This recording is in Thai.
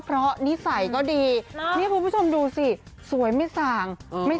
เพราะบางทีหนูไม่ได้ส่งให้คุณพ่อคุณพ่อคุณแม่ดูขนาดนั้นอยู่แล้ว